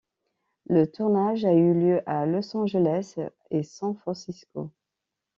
Le tournage a eu lieu à Los Angeles et San Francisco.